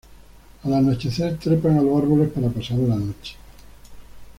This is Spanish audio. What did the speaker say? Al anochecer trepan a los árboles para pasar la noche.